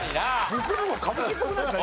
僕の方が歌舞伎っぽくないですか？